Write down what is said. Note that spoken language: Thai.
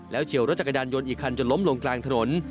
เฉียวรถจักรยานยนต์อีกคันจนล้มลงกลางถนน